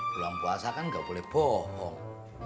belum puasa kan gak boleh bohong